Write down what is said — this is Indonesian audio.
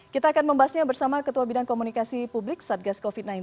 kita akan membahasnya bersama ketua bidang komunikasi publik satgas covid sembilan belas